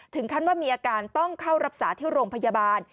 ถึงขั้นว่ามีอาการต้องเข้ารักษาที่โรงพยาบาล